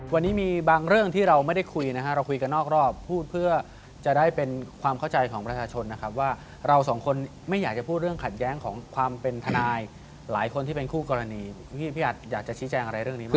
วันนี้มีบางเรื่องที่เราไม่ได้คุยนะฮะเราคุยกันนอกรอบพูดเพื่อจะได้เป็นความเข้าใจของประชาชนนะครับว่าเราสองคนไม่อยากจะพูดเรื่องขัดแย้งของความเป็นทนายหลายคนที่เป็นคู่กรณีพี่อัดอยากจะชี้แจงอะไรเรื่องนี้บ้าง